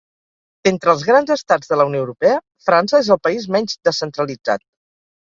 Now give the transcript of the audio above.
D'entre els grans estats de la Unió Europea, França és el país menys descentralitzat.